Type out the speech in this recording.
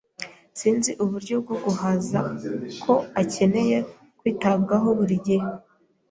[S] Sinzi uburyo bwo guhaza ko akeneye kwitabwaho buri gihe.